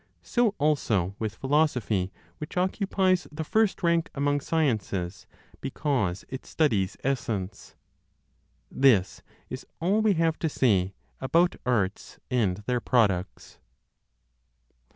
So also with philosophy, which occupies the first rank among sciences because it studies essence. This is all we have to say about arts and their products.